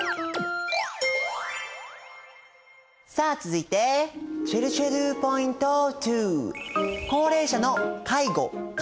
さあ続いてちぇるちぇるポイント２。